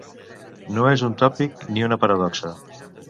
No és un tòpic ni una paradoxa.